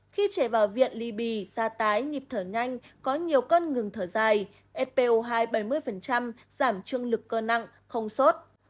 khi trẻ vào viện ly bì ra tái nhịp thở nhanh có nhiều cân ngừng thở dài spo hai bảy mươi giảm trương lực cơ nặng không sốt